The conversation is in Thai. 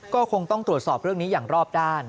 ก็คงต้องตรวจสอบเรื่องนี้อย่างรอบด้าน